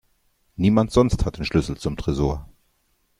Niemand sonst hat den Schlüssel zum Tresor.